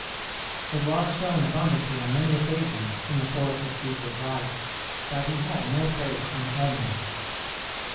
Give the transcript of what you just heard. It was shown abundantly, on many occasions in the course of Cćsar's life, that he had no faith in omens.